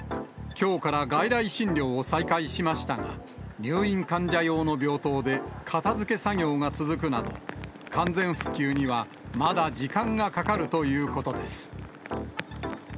きょうから外来診療を再開しましたが、入院患者用の病棟で片づけ作業が続くなど、完全復旧にはまだ時間がかかるということです。